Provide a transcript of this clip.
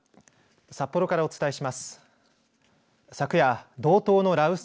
札幌からお伝えします。